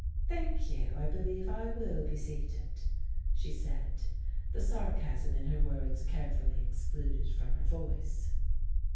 "Thank you; I believe I will be seated," she said, the sarcasm in her words carefully excluded from her voice.